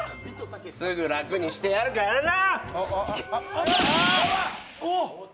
すぐ楽にしてやるからな！